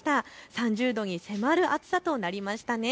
３０度に迫る暑さとなりましたね。